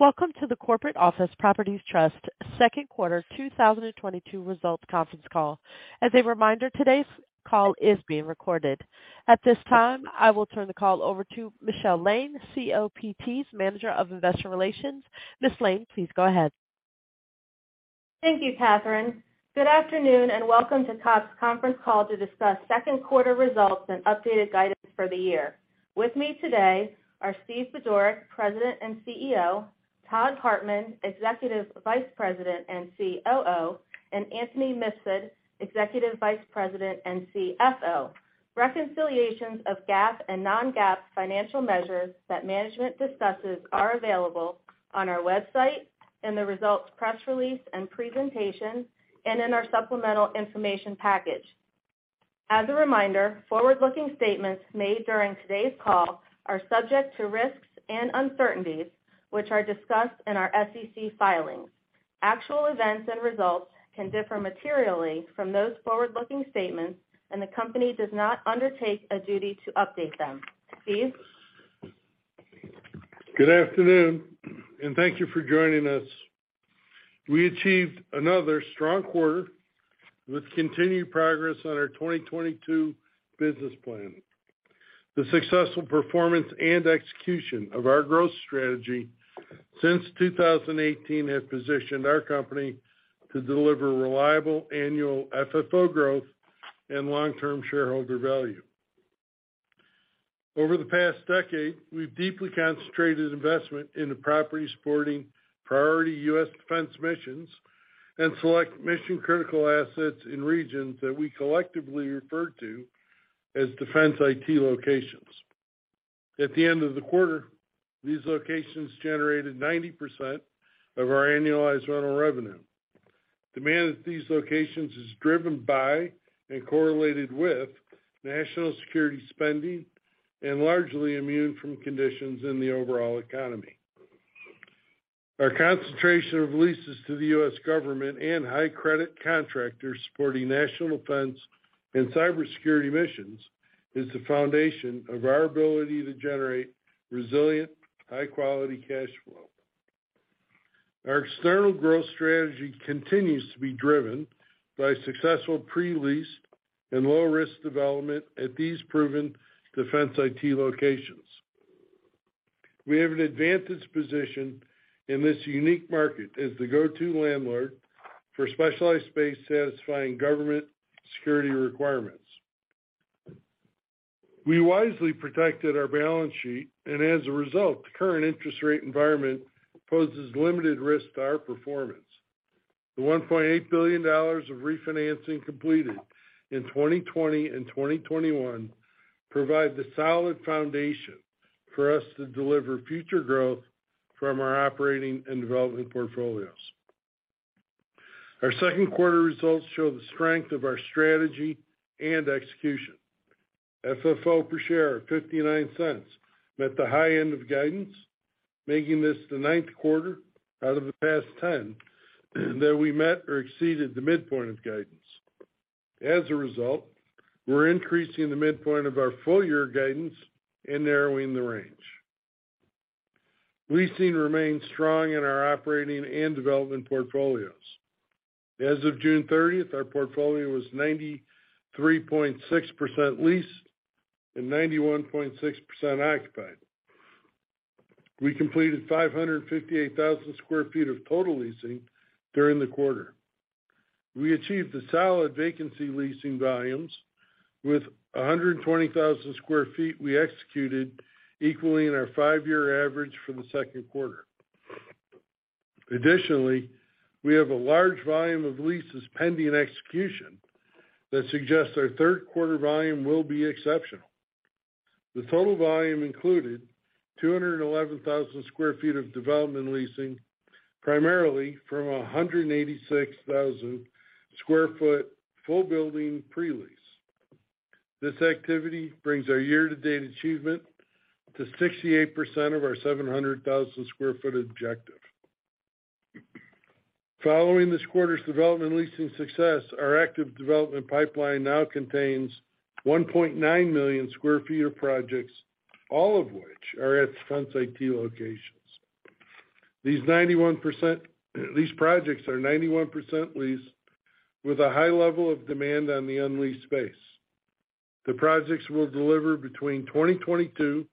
Welcome to the Corporate Office Properties Trust second quarter 2022 results conference call. As a reminder, today's call is being recorded. At this time, I will turn the call over to Michelle Layne, COPT's Manager of Investor Relations. Ms. Layne, please go ahead. Thank you, Catherine. Good afternoon, and welcome to COPT's conference call to discuss second quarter results and updated guidance for the year. With me today are Steve Budorick, President and CEO, Todd Hartman, Executive Vice President and COO, and Anthony Mifsud, Executive Vice President and CFO. Reconciliations of GAAP and non-GAAP financial measures that management discusses are available on our website in the results press release and presentation and in our supplemental information package. As a reminder, forward-looking statements made during today's call are subject to risks and uncertainties, which are discussed in our SEC filings. Actual events and results can differ materially from those forward-looking statements, and the company does not undertake a duty to update them. Steve? Good afternoon, and thank you for joining us. We achieved another strong quarter with continued progress on our 2022 business plan. The successful performance and execution of our growth strategy since 2018 have positioned our company to deliver reliable annual FFO growth and long-term shareholder value. Over the past decade, we've deeply concentrated investment in the property supporting priority U.S. defense missions and select mission-critical assets in regions that we collectively refer to as defense IT locations. At the end of the quarter, these locations generated 90% of our annualized rental revenue. Demand at these locations is driven by and correlated with national security spending and largely immune from conditions in the overall economy. Our concentration of leases to the U.S. government and high credit contractors supporting national defense and cybersecurity missions is the foundation of our ability to generate resilient, high-quality cash flow. Our external growth strategy continues to be driven by successful pre-lease and low risk development at these proven Defense/IT Locations. We have an advantageous position in this unique market as the go-to landlord for specialized space satisfying government security requirements. We wisely protected our balance sheet, and as a result, the current interest rate environment poses limited risk to our performance. The $1.8 billion of refinancing completed in 2020 and 2021 provide the solid foundation for us to deliver future growth from our operating and development portfolios. Our second quarter results show the strength of our strategy and execution. FFO per share of $0.59 met the high end of guidance, making this the ninth quarter out of the past 10 that we met or exceeded the midpoint of guidance. As a result, we're increasing the midpoint of our full year guidance and narrowing the range. Leasing remains strong in our operating and development portfolios. As of June 30th, our portfolio was 93.6% leased and 91.6% occupied. We completed 558,000 sq ft of total leasing during the quarter. We achieved the solid vacancy leasing volumes with 120,000 sq ft we executed equal to our five-year average for the second quarter. Additionally, we have a large volume of leases pending execution that suggests our third quarter volume will be exceptional. The total volume included 211,000 sq ft of development leasing, primarily from a 186,000 sq ft full building pre-lease. This activity brings our year-to-date achievement to 68% of our 700,000 sq ft objective. Following this quarter's development leasing success, our active development pipeline now contains 1.9 million sq ft of projects, all of which are at Defense/IT locations. These projects are 91% leased with a high level of demand on the unleased space. The projects will deliver between 2022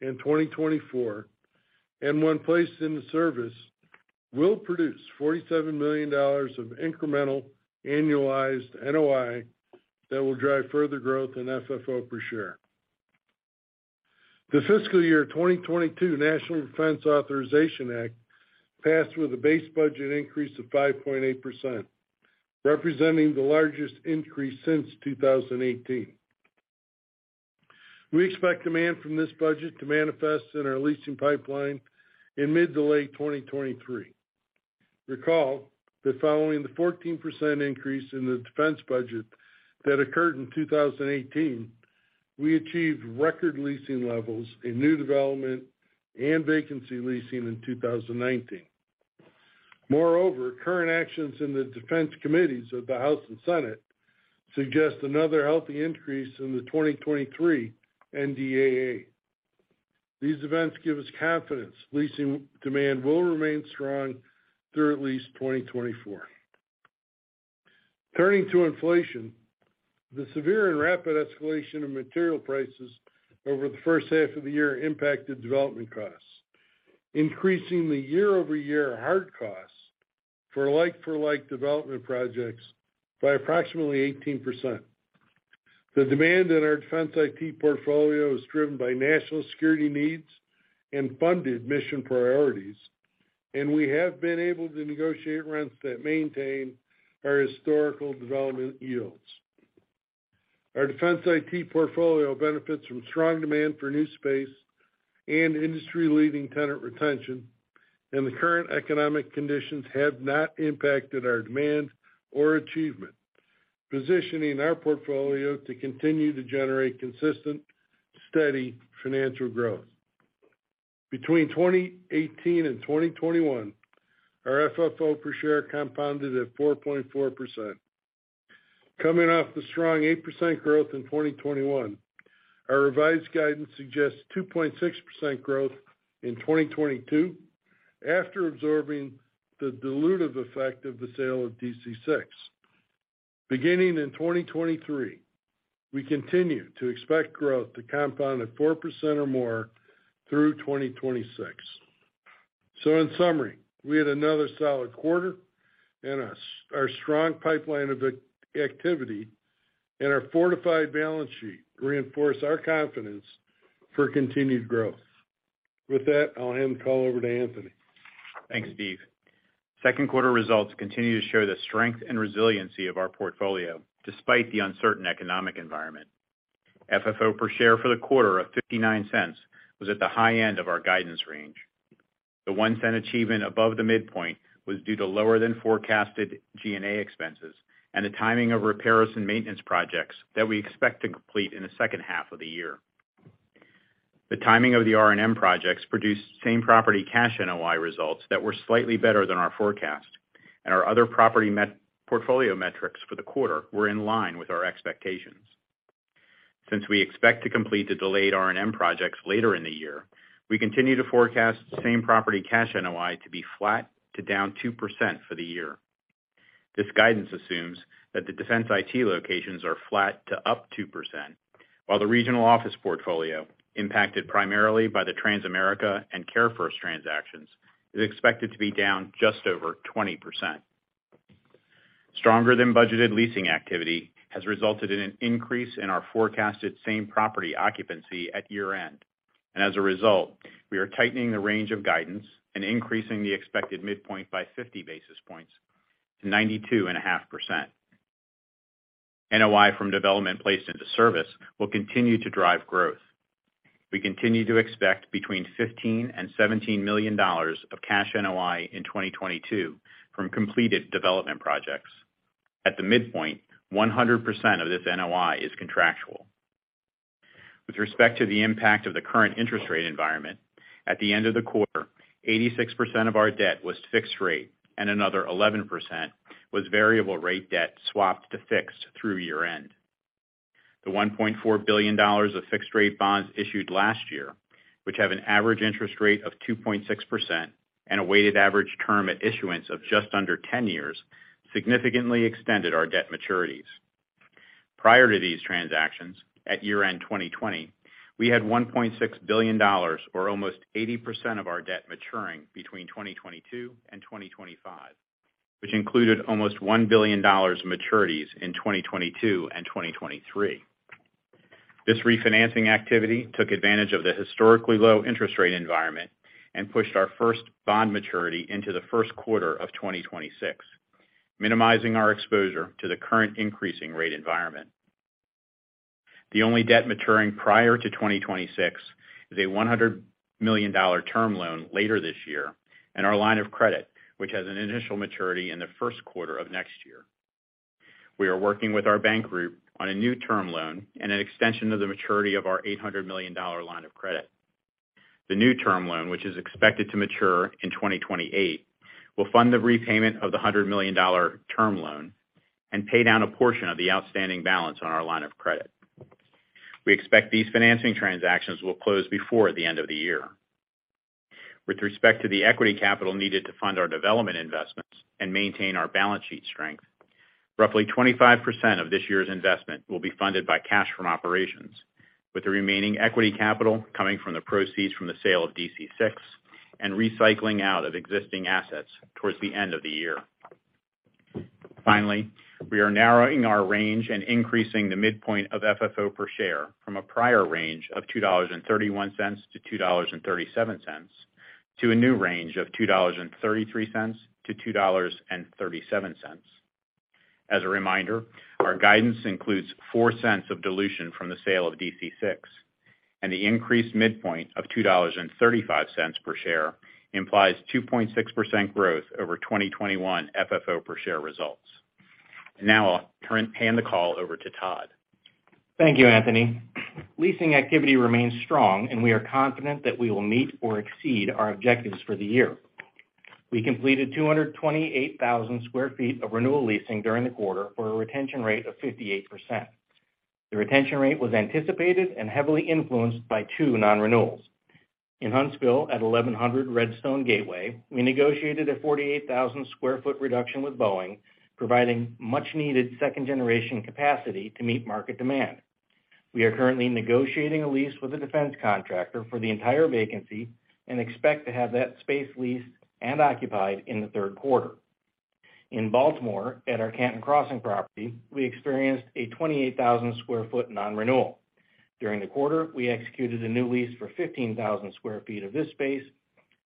and 2024, and when placed into service, will produce $47 million of incremental annualized NOI that will drive further growth in FFO per share. The fiscal year 2022 National Defense Authorization Act passed with a base budget increase of 5.8%, representing the largest increase since 2018. We expect demand from this budget to manifest in our leasing pipeline in mid to late 2023. Recall that following the 14% increase in the defense budget that occurred in 2018, we achieved record leasing levels in new development and vacancy leasing in 2019. Moreover, current actions in the defense committees of the House and Senate suggest another healthy increase in the 2023 NDAA. These events give us confidence leasing demand will remain strong through at least 2024. Turning to inflation, the severe and rapid escalation of material prices over the first half of the year impacted development costs, increasing the year-over-year hard costs for like-for-like development projects by approximately 18%. The demand in our defense IT portfolio is driven by national security needs and funded mission priorities, and we have been able to negotiate rents that maintain our historical development yields. Our defense IT portfolio benefits from strong demand for new space and industry-leading tenant retention, and the current economic conditions have not impacted our demand or achievement, positioning our portfolio to continue to generate consistent, steady financial growth. Between 2018 and 2021, our FFO per share compounded at 4.4%. Coming off the strong 8% growth in 2021, our revised guidance suggests 2.6% growth in 2022 after absorbing the dilutive effect of the sale of DC Six. Beginning in 2023, we continue to expect growth to compound at 4% or more through 2026. In summary, we had another solid quarter and our strong pipeline of activity and our fortified balance sheet reinforce our confidence for continued growth. With that, I'll hand the call over to Anthony. Thanks, Steve. Second quarter results continue to show the strength and resiliency of our portfolio despite the uncertain economic environment. FFO per share for the quarter of $0.59 was at the high end of our guidance range. The $0.01 achievement above the midpoint was due to lower than forecasted G&A expenses and the timing of repairs and maintenance projects that we expect to complete in the second half of the year. The timing of the R&M projects produced same property cash NOI results that were slightly better than our forecast, and our other portfolio metrics for the quarter were in line with our expectations. Since we expect to complete the delayed R&M projects later in the year, we continue to forecast same property cash NOI to be flat to down 2% for the year. This guidance assumes that the Defense/IT locations are flat to up 2%, while the regional office portfolio impacted primarily by the Transamerica and CareFirst transactions is expected to be down just over 20%. Stronger than budgeted leasing activity has resulted in an increase in our forecasted same-property occupancy at year-end. As a result, we are tightening the range of guidance and increasing the expected midpoint by 50 basis points to 92.5%. NOI from development placed into service will continue to drive growth. We continue to expect between $15 million and $17 million of cash NOI in 2022 from completed development projects. At the midpoint, 100% of this NOI is contractual. With respect to the impact of the current interest rate environment, at the end of the quarter, 86% of our debt was fixed rate, and another 11% was variable rate debt swapped to fixed through year-end. The $1.4 billion of fixed rate bonds issued last year, which have an average interest rate of 2.6% and a weighted average term at issuance of just under 10 years, significantly extended our debt maturities. Prior to these transactions, at year-end 2020, we had $1.6 billion, or almost 80% of our debt maturing between 2022 and 2025, which included almost $1 billion maturities in 2022 and 2023. This refinancing activity took advantage of the historically low interest rate environment and pushed our first bond maturity into the first quarter of 2026, minimizing our exposure to the current increasing rate environment. The only debt maturing prior to 2026 is a $100 million term loan later this year and our line of credit, which has an initial maturity in the first quarter of next year. We are working with our bank group on a new term loan and an extension of the maturity of our $800 million line of credit. The new term loan, which is expected to mature in 2028, will fund the repayment of the $100 million term loan and pay down a portion of the outstanding balance on our line of credit. We expect these financing transactions will close before the end of the year. With respect to the equity capital needed to fund our development investments and maintain our balance sheet strength, roughly 25% of this year's investment will be funded by cash from operations, with the remaining equity capital coming from the proceeds from the sale of DC Six and recycling out of existing assets towards the end of the year. Finally, we are narrowing our range and increasing the midpoint of FFO per share from a prior range of $2.31-$2.37, to a new range of $2.33-$2.37. As a reminder, our guidance includes $0.04 of dilution from the sale of DC Six, and the increased midpoint of $2.35 per share implies 2.6% growth over 2021 FFO per share results. Now I'll hand the call over to Todd. Thank you, Anthony. Leasing activity remains strong, and we are confident that we will meet or exceed our objectives for the year. We completed 228,000 sq ft of renewal leasing during the quarter for a retention rate of 58%. The retention rate was anticipated and heavily influenced by two non-renewals. In Huntsville, at 1,100 Redstone Gateway, we negotiated a 48,000 sq ft reduction with Boeing, providing much needed second generation capacity to meet market demand. We are currently negotiating a lease with a defense contractor for the entire vacancy and expect to have that space leased and occupied in the third quarter. In Baltimore, at our Canton Crossing property, we experienced a 28,000 sq ft non-renewal. During the quarter, we executed a new lease for 15,000 sq ft of this space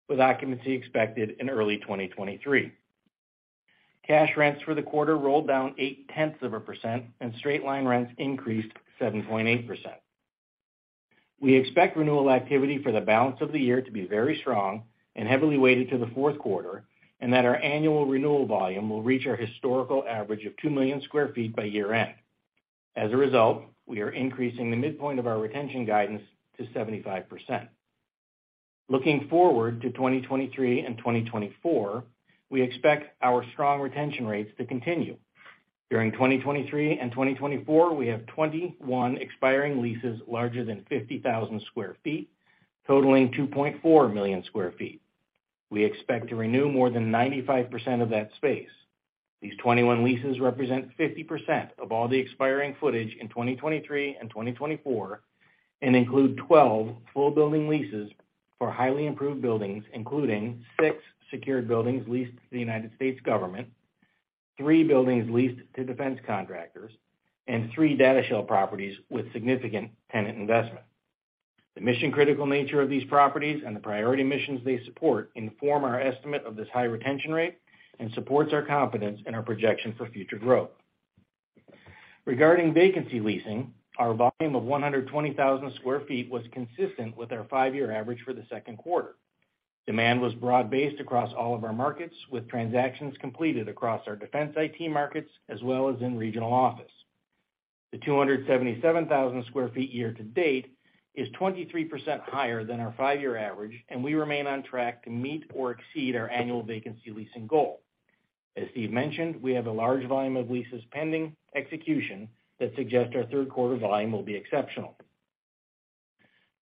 with occupancy expected in early 2023. Cash rents for the quarter rolled down 0.8% and straight-line rents increased 7.8%. We expect renewal activity for the balance of the year to be very strong and heavily weighted to the fourth quarter, and that our annual renewal volume will reach our historical average of 2 million sq ft by year-end. As a result, we are increasing the midpoint of our retention guidance to 75%. Looking forward to 2023 and 2024, we expect our strong retention rates to continue. During 2023 and 2024, we have 21 expiring leases larger than 50,000 sq ft, totaling 2.4 million sq ft. We expect to renew more than 95% of that space. These 21 leases represent 50% of all the expiring square footage in 2023 and 2024, and include 12 full building leases for highly improved buildings, including six secured buildings leased to the United States government, three buildings leased to defense contractors, and three data center shell properties with significant tenant investment. The mission critical nature of these properties and the priority missions they support inform our estimate of this high retention rate and supports our confidence in our projection for future growth. Regarding vacancy leasing, our volume of 120,000 sq ft was consistent with our 5-year average for the second quarter. Demand was broad-based across all of our markets with transactions completed across our defense IT markets as well as in regional office. The 277,000 sq ft year-to-date is 23% higher than our five-year average, and we remain on track to meet or exceed our annual vacancy leasing goal. As Steve mentioned, we have a large volume of leases pending execution that suggest our third quarter volume will be exceptional.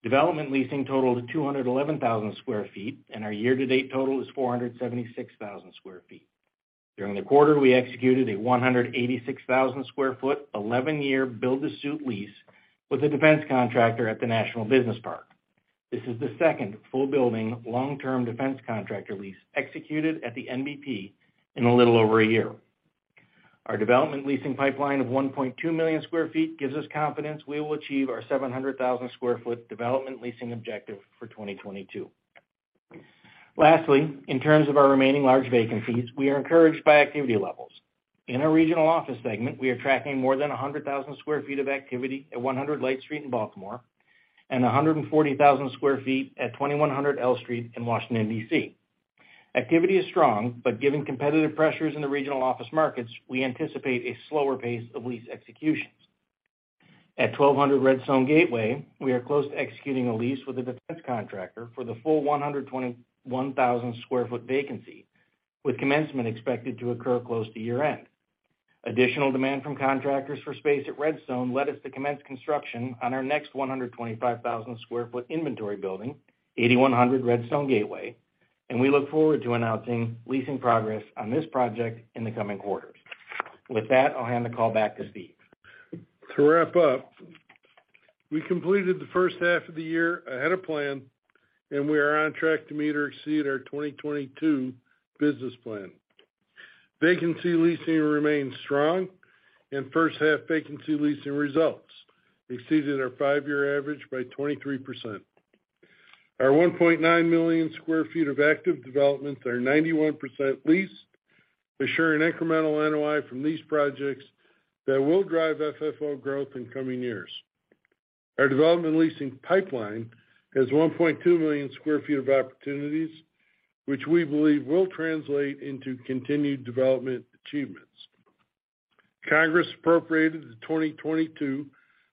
Development leasing totaled 211,000 sq ft, and our year-to-date total is 476,000 sq ft. During the quarter, we executed a 186,000 sq ft, 11-year build-to-suit lease with a defense contractor at the National Business Park. This is the second full building long term defense contractor lease executed at the NBP in a little over a year. Our development leasing pipeline of 1.2 million sq ft gives us confidence we will achieve our 700,000 sq ft development leasing objective for 2022. Lastly, in terms of our remaining large vacancies, we are encouraged by activity levels. In our regional office segment, we are tracking more than 100,000 sq ft of activity at 100 Light Street in Baltimore and 140,000 sq ft at 2100 L Street in Washington, D.C. Activity is strong, but given competitive pressures in the regional office markets, we anticipate a slower pace of lease executions. At 1200 Redstone Gateway, we are close to executing a lease with a defense contractor for the full 121,000 sq ft vacancy, with commencement expected to occur close to year end. Additional demand from contractors for space at Redstone led us to commence construction on our next 125,000 sq ft inventory building, 8100 Redstone Gateway, and we look forward to announcing leasing progress on this project in the coming quarters. With that, I'll hand the call back to Steve. To wrap up, we completed the first half of the year ahead of plan, and we are on track to meet or exceed our 2022 business plan. Vacancy leasing remains strong, and first half vacancy leasing results exceeded our five-year average by 23%. Our 1.9 million sq ft of active development are 91% leased, assuring incremental NOI from these projects that will drive FFO growth in coming years. Our development leasing pipeline has 1.2 million sq ft of opportunities which we believe will translate into continued development achievements. Congress appropriated the 2022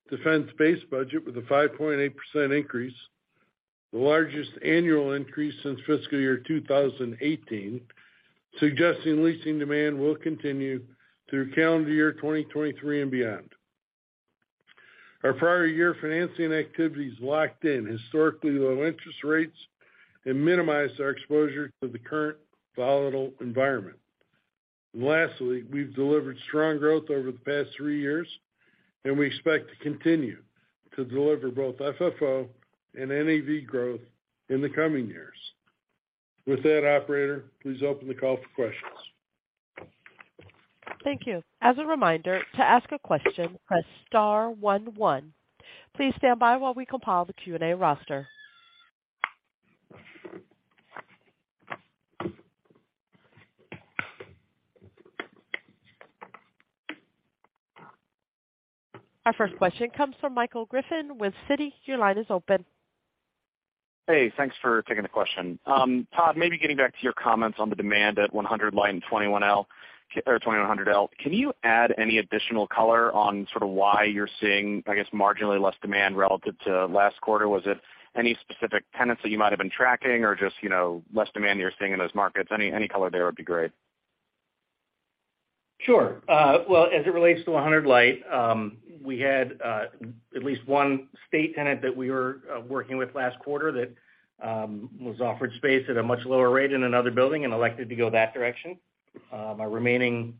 defense base budget with a 5.8% increase, the largest annual increase since fiscal year 2018, suggesting leasing demand will continue through calendar year 2023 and beyond. Our prior year financing activities locked in historically low interest rates and minimized our exposure to the current volatile environment. Lastly, we've delivered strong growth over the past three years and we expect to continue to deliver both FFO and NAV growth in the coming years. With that operator, please open the call for questions. Thank you. As a reminder, to ask a question, press star one one. Please stand by while we compile the Q&A roster. Our first question comes from Michael Griffin with Citi. Your line is open. Hey, thanks for taking the question. Todd, maybe getting back to your comments on the demand at 100 Line 21L or 2100 L. Can you add any additional color on sort of why you're seeing, I guess, marginally less demand relative to last quarter? Was it any specific tenants that you might have been tracking or just, you know, less demand you're seeing in those markets? Any color there would be great. Sure. Well, as it relates to 100 Light, we had at least one state tenant that we were working with last quarter that was offered space at a much lower rate in another building and elected to go that direction. Our remaining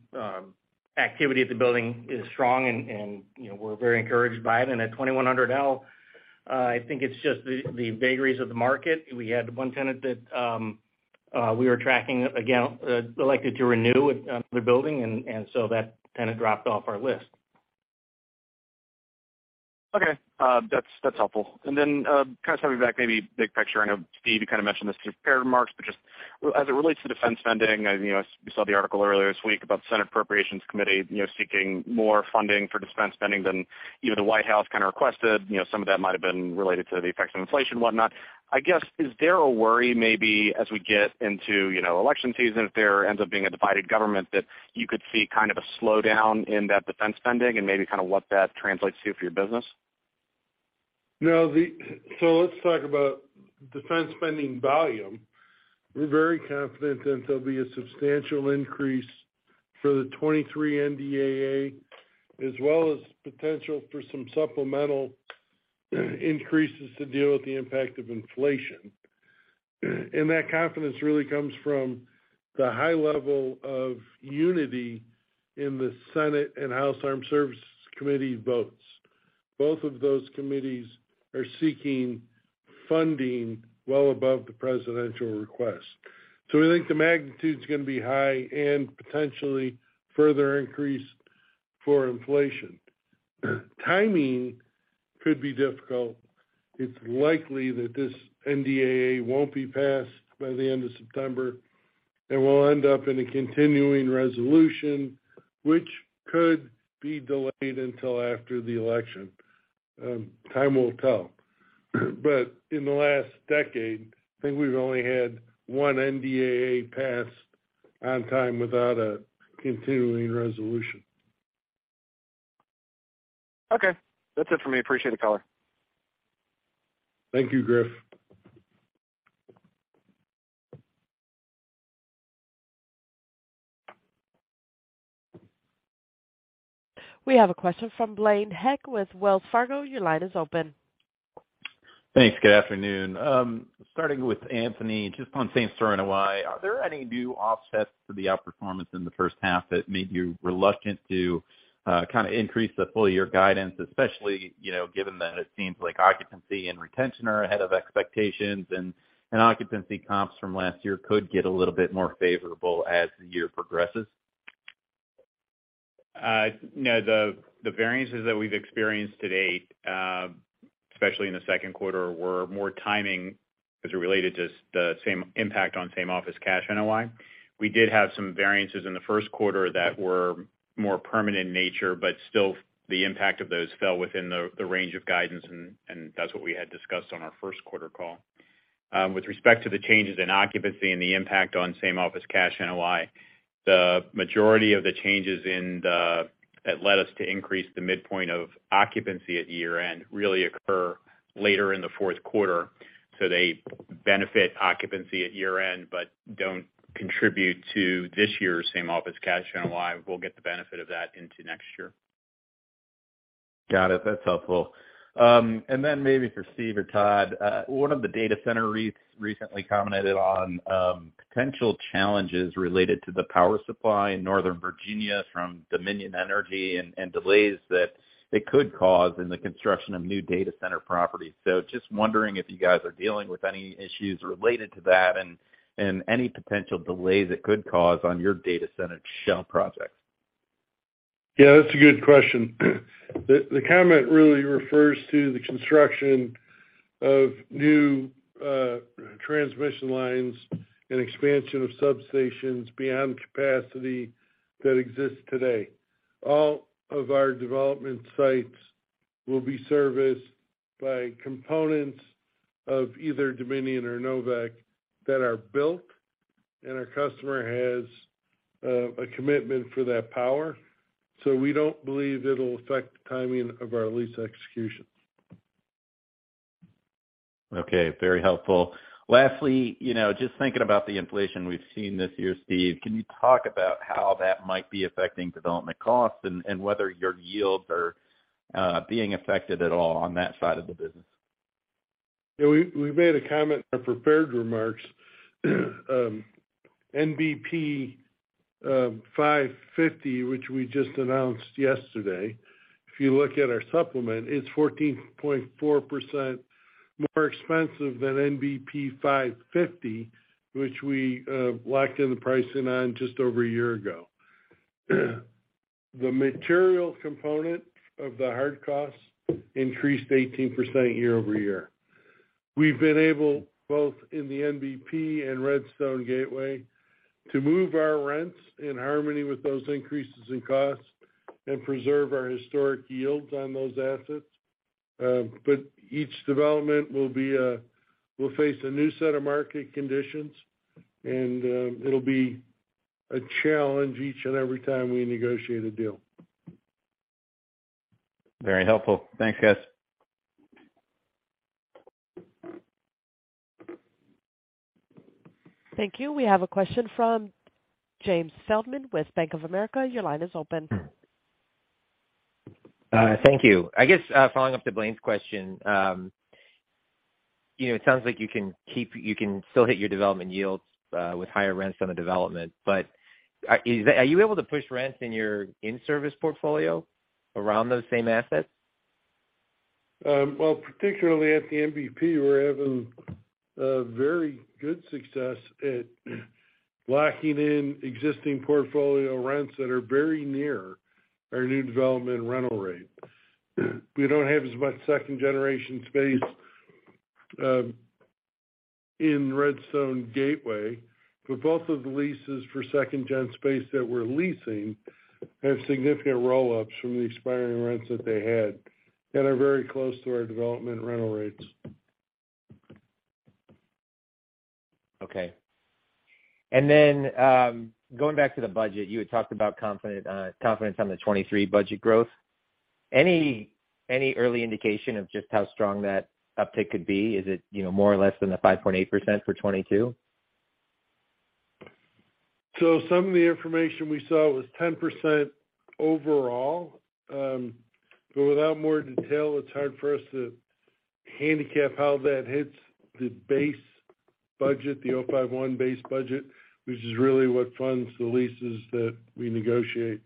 activity at the building is strong and, you know, we're very encouraged by it. At 2100 L, I think it's just the vagaries of the market. We had one tenant that we were tracking, again, elected to renew with another building, and so that tenant dropped off our list. Okay. That's helpful. Then, kind of stepping back maybe big picture. I know Steve, you kind of mentioned this in your prepared remarks, but just as it relates to defense spending, and, you know, we saw the article earlier this week about Senate Appropriations Committee, you know, seeking more funding for defense spending than even The White House kind of requested. You know, some of that might have been related to the effects of inflation, whatnot. Is there a worry maybe as we get into, you know, election season, if there ends up being a divided government that you could see kind of a slowdown in that defense spending and maybe kind of what that translates to for your business? Let's talk about defense spending volume. We're very confident that there'll be a substantial increase for the 2023 NDAA, as well as potential for some supplemental increases to deal with the impact of inflation. That confidence really comes from the high level of unity in the Senate and House Armed Services Committee votes. Both of those committees are seeking funding well above the presidential request. We think the magnitude is gonna be high and potentially further increased for inflation. Timing could be difficult. It's likely that this NDAA won't be passed by the end of September, and we'll end up in a continuing resolution which could be delayed until after the election. Time will tell. In the last decade, I think we've only had one NDAA passed on time without a continuing resolution. Okay. That's it for me. Appreciate the color. Thank you, Griff. We have a question from Blaine Heck with Wells Fargo. Your line is open. Thanks. Good afternoon. Starting with Anthony, just on same-store NOI, are there any new offsets to the outperformance in the first half that made you reluctant to kind of increase the full-year guidance, especially, you know, given that it seems like occupancy and retention are ahead of expectations and occupancy comps from last year could get a little bit more favorable as the year progresses? No. The variances that we've experienced to date, especially in the second quarter, were more timing, which are related to the same impact on same-office cash NOI. We did have some variances in the first quarter that were more permanent in nature, but still the impact of those fell within the range of guidance, and that's what we had discussed on our first quarter call. With respect to the changes in occupancy and the impact on same-office cash NOI, the majority of the changes that led us to increase the midpoint of occupancy at year-end really occur later in the fourth quarter, so they benefit occupancy at year-end but don't contribute to this year's same-office cash NOI. We'll get the benefit of that into next year. Got it. That's helpful. Maybe for Steve or Todd, one of the data center REITs recently commented on potential challenges related to the power supply in Northern Virginia from Dominion Energy and delays that it could cause in the construction of new data center properties. Just wondering if you guys are dealing with any issues related to that and any potential delays it could cause on your data center shell projects. Yeah, that's a good question. The comment really refers to the construction of new transmission lines and expansion of substations beyond capacity that exists today. All of our development sites will be serviced by components of either Dominion or NOVEC that are built, and our customer has a commitment for that power. We don't believe it'll affect the timing of our lease execution. Okay, very helpful. Lastly, you know, just thinking about the inflation we've seen this year, Steve, can you talk about how that might be affecting development costs and whether your yields are being affected at all on that side of the business? Yeah, we made a comment in our prepared remarks. NBP 550, which we just announced yesterday. If you look at our supplement, it's 14.4% more expensive than NBP 550, which we locked in the pricing on just over a year ago. The material component of the hard costs increased 18% year-over-year. We've been able, both in the NBP and Redstone Gateway, to move our rents in harmony with those increases in costs. Preserve our historic yields on those assets. Each development will face a new set of market conditions, and it'll be a challenge each and every time we negotiate a deal. Very helpful. Thanks, guys. Thank you. We have a question from James Feldman with Bank of America. Your line is open. Thank you. I guess, following up to Blaine's question, you know, it sounds like you can still hit your development yields with higher rents on the development. But are you able to push rents in your in-service portfolio around those same assets? Well, particularly at the NBP, we're having a very good success at locking in existing portfolio rents that are very near our new development rental rate. We don't have as much second-generation space in Redstone Gateway, but both of the leases for second gen space that we're leasing have significant roll-ups from the expiring rents that they had and are very close to our development rental rates. Okay. Going back to the budget, you had talked about confidence on the 2023 budget growth. Any early indication of just how strong that uptick could be? Is it, you know, more or less than the 5.8% for 2022? Some of the information we saw was 10% overall, but without more detail, it's hard for us to handicap how that hits the base budget, the 051 base budget, which is really what funds the leases that we negotiate.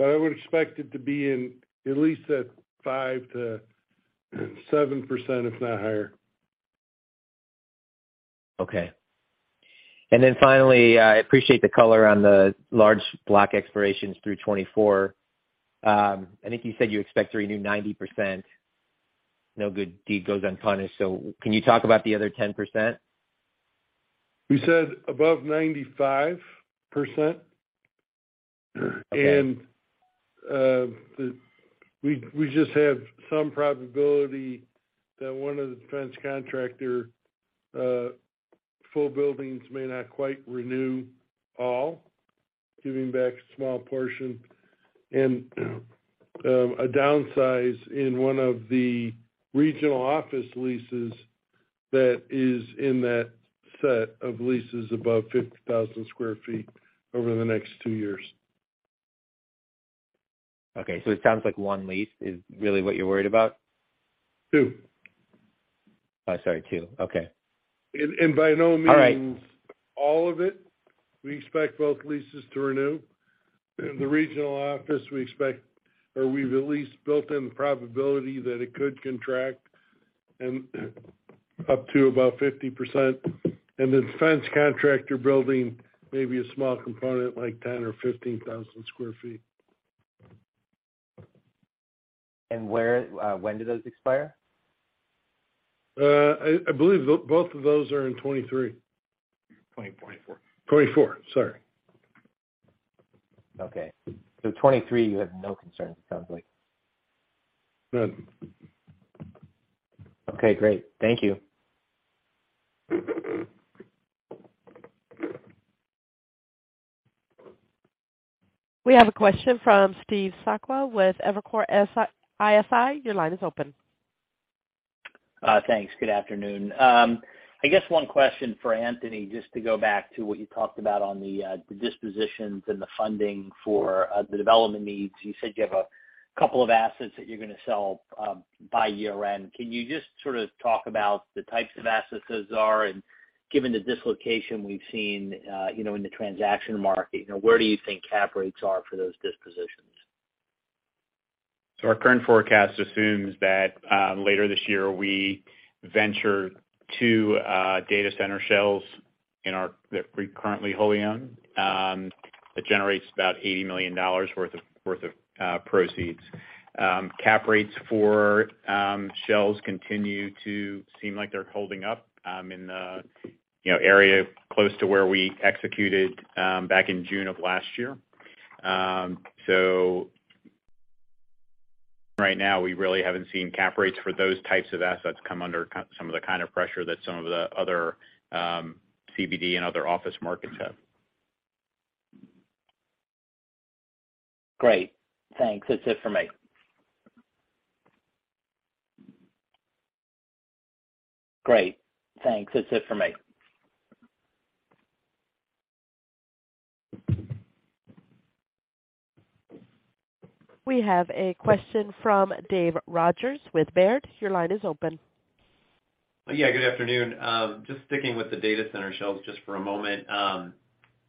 I would expect it to be in at least 5%-7%, if not higher. Okay. Finally, I appreciate the color on the large block expirations through 2024. I think you said you expect to renew 90%. No good deed goes unpunished. Can you talk about the other 10%? We said above 95%. Okay. We just have some probability that one of the defense contractor full buildings may not quite renew all, giving back a small portion and a downsize in one of the regional office leases that is in that set of leases above 50,000 sq ft over the next two years. Okay, it sounds like one lease is really what you're worried about. Two. Oh, sorry, two. Okay. By no means. All right. All of it, we expect both leases to renew. The regional office we expect, or we've at least built in the probability that it could contract and up to about 50%. The defense contractor building may be a small component, like 10,000 or 15,000 sq ft. Where, when do those expire? I believe both of those are in 2023. 2024. 2024. Sorry. Okay. 2023, you have no concerns, it sounds like. None. Okay, great. Thank you. We have a question from Steve Sakwa with Evercore ISI. Your line is open. Thanks. Good afternoon. I guess one question for Anthony, just to go back to what you talked about on the dispositions and the funding for, the development needs. You said you have a couple of assets that you're gonna sell, by year-end. Can you just sort of talk about the types of assets those are? Given the dislocation we've seen, you know, in the transaction market, you know, where do you think cap rates are for those dispositions? Our current forecast assumes that later this year, we venture two data center shells that we currently wholly own that generates about $80 million worth of proceeds. Cap rates for shells continue to seem like they're holding up, you know, in the area close to where we executed back in June of last year. Right now, we really haven't seen cap rates for those types of assets come under some of the kind of pressure that some of the other CBD and other office markets have. Great. Thanks. That's it for me. We have a question from David Rodgers with Baird. Your line is open. Yeah, good afternoon. Just sticking with the data center shells just for a moment.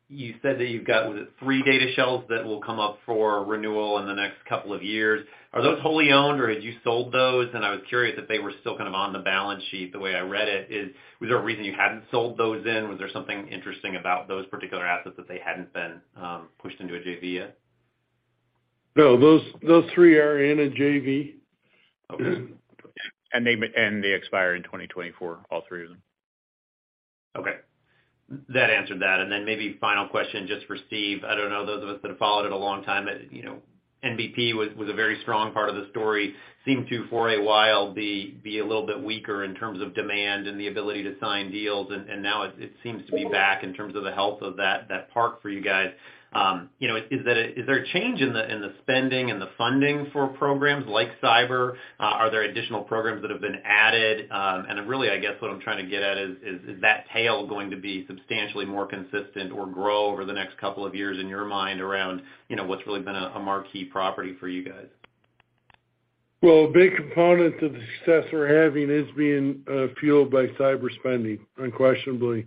You said that you've got, was it three data shells that will come up for renewal in the next couple of years? Are those wholly owned, or had you sold those? I was curious if they were still kind of on the balance sheet. The way I read it is, was there a reason you hadn't sold those then? Was there something interesting about those particular assets that they hadn't been pushed into a JV yet? No, those three are in a JV. Okay. They expire in 2024, all three of them. Okay. That answered that. Maybe final question just for Steve. I don't know, those of us that have followed it a long time, you know, NBP was a very strong part of the story. It seemed to, for a while, be a little bit weaker in terms of demand and the ability to sign deals. Now it seems to be back in terms of the health of that park for you guys. You know, is that a. Is there a change in the spending and the funding for programs like cyber. Are there additional programs that have been added? Really, I guess, what I'm trying to get at is that tail going to be substantially more consistent or grow over the next couple of years in your mind around, you know, what's really been a marquee property for you guys? Well, a big component to the success we're having is being fueled by cyber spending, unquestionably.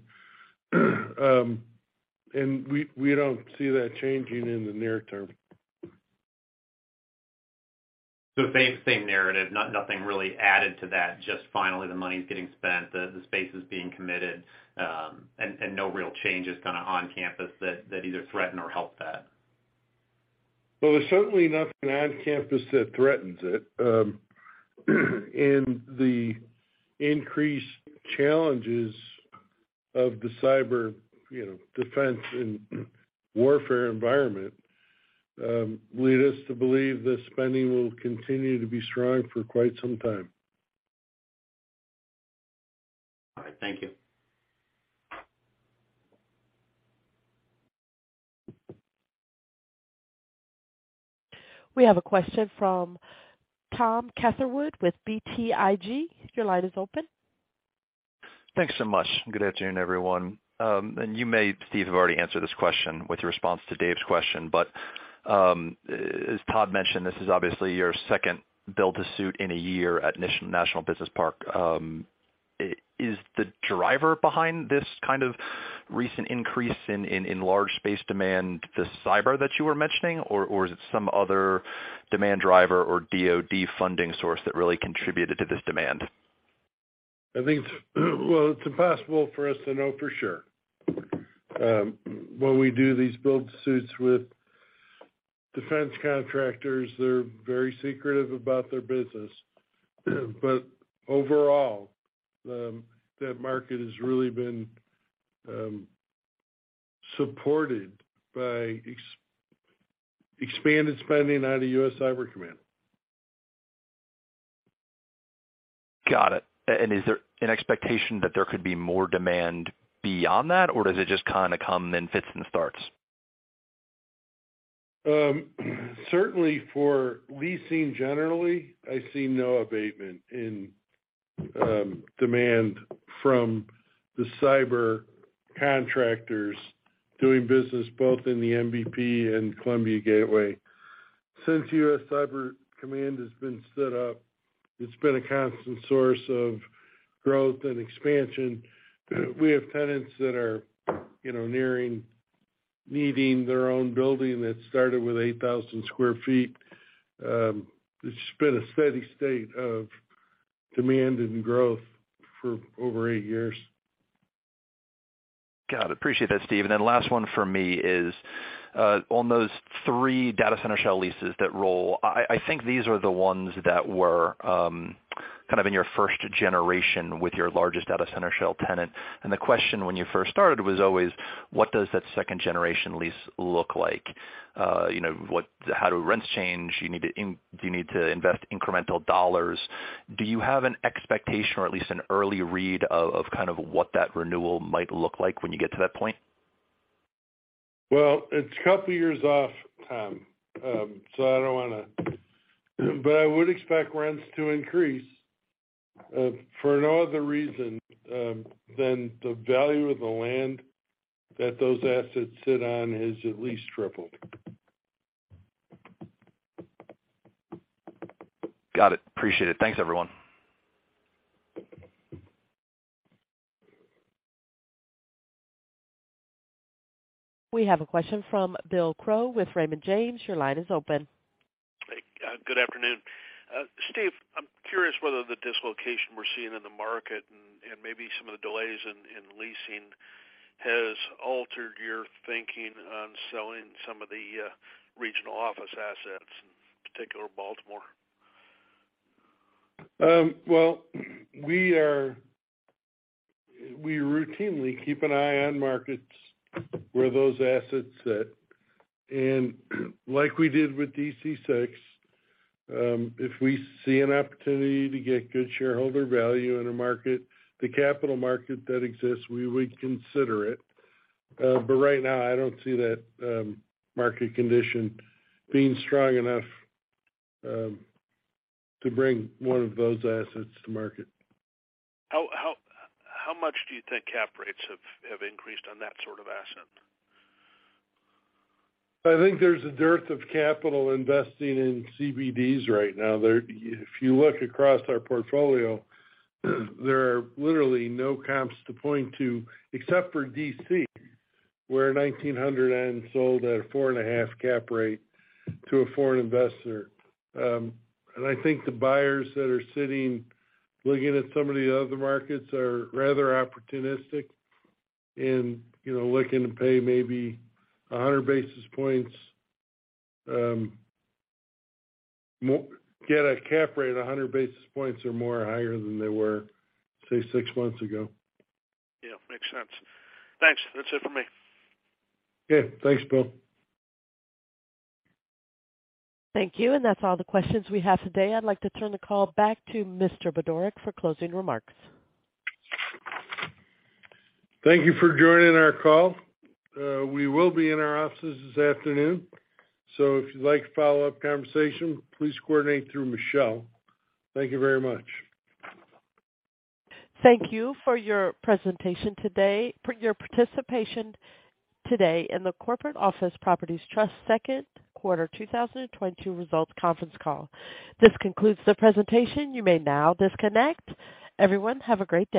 We don't see that changing in the near term. Same narrative, nothing really added to that, just finally the money's getting spent, the space is being committed, and no real changes kinda on campus that either threaten or help that? Well, there's certainly nothing on campus that threatens it. The increased challenges of the cyber, you know, defense and warfare environment lead us to believe that spending will continue to be strong for quite some time. All right. Thank you. We have a question from Tom Catherwood with BTIG. Your line is open. Thanks so much. Good afternoon, everyone. You may, Steve, have already answered this question with your response to Dave's question. As Todd mentioned, this is obviously your second build-to-suit in a year at National Business Park. Is the driver behind this kind of recent increase in large space demand the cyber that you were mentioning, or is it some other demand driver or DoD funding source that really contributed to this demand? I think it's impossible for us to know for sure. When we do these build-to-suits with defense contractors, they're very secretive about their business. Overall, that market has really been supported by expanded spending out of U.S. Cyber Command. Got it. Is there an expectation that there could be more demand beyond that, or does it just kinda come in fits and starts? Certainly for leasing generally, I see no abatement in demand from the cyber contractors doing business both in the NBP and Columbia Gateway. Since United States Cyber Command has been set up, it's been a constant source of growth and expansion. We have tenants that are, you know, nearing needing their own building that started with 8,000 sq ft. It's just been a steady state of demand and growth for over 8 years. Got it. Appreciate that, Steve. Then last one from me is on those three data center shell leases that roll. I think these are the ones that were kind of in your first generation with your largest data center shell tenant. The question when you first started was always what does that second generation lease look like? You know, how do rents change? Do you need to invest incremental dollars? Do you have an expectation or at least an early read of kind of what that renewal might look like when you get to that point? Well, it's a couple years off, Tom, so I don't wanna. I would expect rents to increase, for no other reason, than the value of the land that those assets sit on has at least tripled. Got it. Appreciate it. Thanks, everyone. We have a question from Bill Crow with Raymond James. Your line is open. Hey, good afternoon. Steve, I'm curious whether the dislocation we're seeing in the market and maybe some of the delays in leasing has altered your thinking on selling some of the regional office assets, in particular Baltimore? Well, we routinely keep an eye on markets where those assets sit. Like we did with DC6, if we see an opportunity to get good shareholder value in a market, the capital market that exists, we would consider it. Right now, I don't see that market condition being strong enough to bring one of those assets to market. How much do you think cap rates have increased on that sort of asset? I think there's a dearth of capital investing in CBDs right now. If you look across our portfolio, there are literally no comps to point to except for D.C., where 1900 N sold at a 4.5 cap rate to a foreign investor. I think the buyers that are sitting, looking at some of the other markets are rather opportunistic and, you know, looking to pay maybe 100 basis points, get a cap rate 100 basis points or more higher than they were, say, six months ago. Yeah. Makes sense. Thanks. That's it for me. Okay. Thanks, Bill. Thank you. That's all the questions we have today. I'd like to turn the call back to Mr. Budorick for closing remarks. Thank you for joining our call. We will be in our offices this afternoon, so if you'd like follow-up conversation, please coordinate through Michelle. Thank you very much. Thank you for your participation today in the Corporate Office Properties Trust second quarter 2022 results conference call. This concludes the presentation. You may now disconnect. Everyone, have a great day.